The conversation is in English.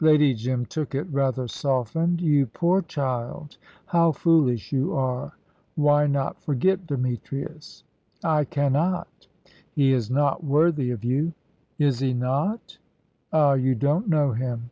Lady Jim took it, rather softened. "You poor child, how foolish you are! Why not forget Demetrius?" "I cannot." "He is not worthy of you." "Is he not? ah, you don't know him."